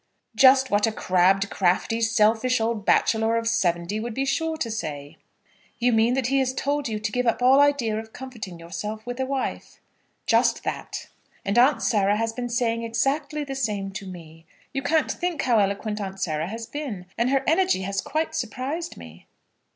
"Just what a crabbed, crafty, selfish old bachelor of seventy would be sure to say." "You mean that he has told you to give up all idea of comforting yourself with a wife." "Just that." "And Aunt Sarah has been saying exactly the same to me. You can't think how eloquent Aunt Sarah has been. And her energy has quite surprised me."